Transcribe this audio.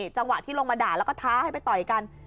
จังหวะที่ลงมาด่าแล้วก็ท้าให้ไปต่อยกัน